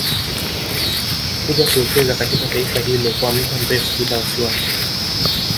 Kuja kuwekeza katika taifa hilo kwa mda mrefu bila wasiwasi